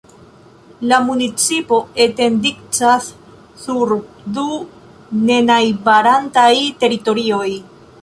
La municipo etendigcas sur du nenajbarantaj teritorioj.